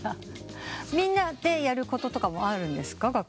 みんなでやることとかもあるんですか？